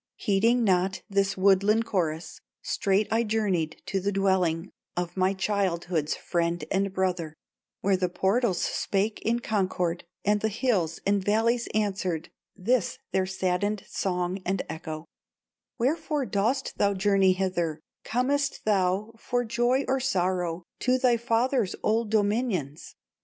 "Heeding not this woodland chorus, Straight I journeyed to the dwelling Of my childhood's friend and brother, Where the portals spake in concord, And the hills and valleys answered, This their saddened song and echo: 'Wherefore dost thou journey hither, Comest thou for joy or sorrow, To thy father's old dominions?